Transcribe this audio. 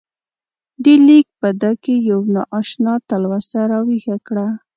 دې لیک په ده کې یوه نا اشنا تلوسه راویښه کړه.